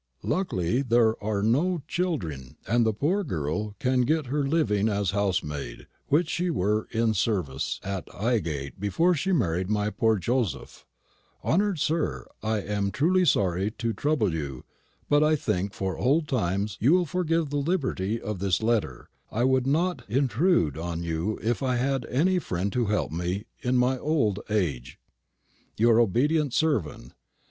Luckly there har no Childring and the pore gurl can gett hur living as housmade wich she were in survis hat hi gate befor she marrid my pore Joseff Honored sir i ham trewly sorry too trubbel you butt i think for hold times you will forgiv the libertey off this letter i would nott hintrewd on you iff i had enny frend to help me in my old aig, "Your obeddient survent."